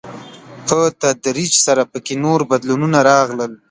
په تدريج سره په کې نور بدلونونه راغلل.